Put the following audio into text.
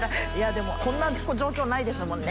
でもこんな状況ないですもんね。